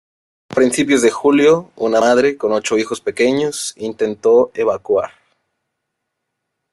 A principios de julio, una madre, con ocho hijos pequeños, intentó evacuar.